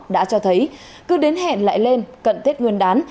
đã cho thấy cứ đến hẹn lại lên cận tết nguyên đán